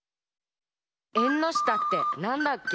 「えんのしたってなんだっけ？」